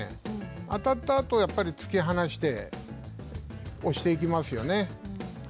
当たったあと突き放して押していきますよね。